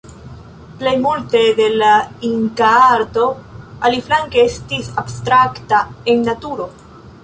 Plej multe de la inkaa arto, aliflanke, estis abstrakta en naturo.